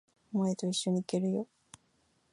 お前と一緒に行けるよ。